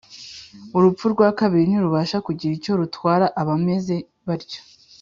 Urupfu rwa kabiri ntirubasha kugira icyo rutwara abameze batyo,